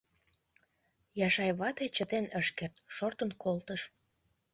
Яшай вате чытен ыш керт, шортын колтыш.